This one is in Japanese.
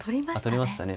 取りましたね。